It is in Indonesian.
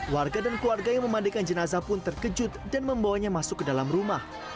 warga dan keluarga yang memandikan jenazah pun terkejut dan membawanya masuk ke dalam rumah